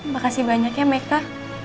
makasih banyak ya meka